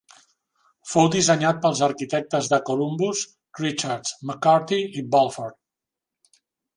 Fou dissenyat pels arquitectes de Columbus Richards, McCarty i Bulford.